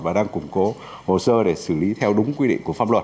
và đang củng cố hồ sơ để xử lý theo đúng quy định của pháp luật